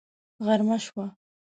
غرمه شوه